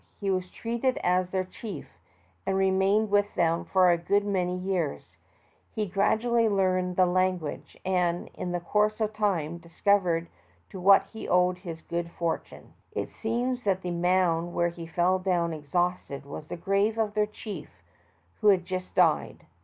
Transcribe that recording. He was treated as their chief, and remained with them for a good many years; he gradually learned their language, and, in the course of time, discovered to what he owed his good fortune. It seems that the mound where he fell down exhausted was the grave of their chief who had just died.